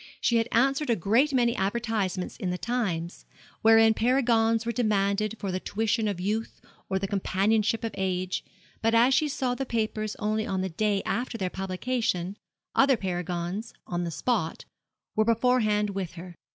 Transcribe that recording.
She had answered a great many advertisements in the Times, wherein paragons were demanded for the tuition of youth or the companionship of age; but as she saw the papers only on the day after their publication, other paragons, on the spot, were beforehand with her.